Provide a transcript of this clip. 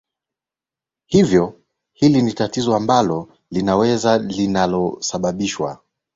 hivyo hili ni tatizo ambalo linaweza linalosababishwa